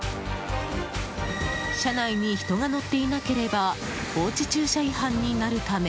車内に人が乗っていなければ放置駐車違反になるため。